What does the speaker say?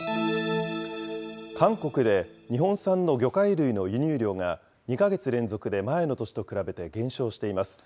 韓国で、日本産の魚介類の輸入量が２か月連続で前の年と比べて減少しています。